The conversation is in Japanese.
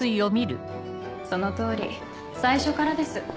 その通り最初からです。